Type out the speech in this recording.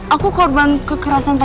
aku korban kekerasan suatu bayi